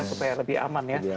supaya lebih aman ya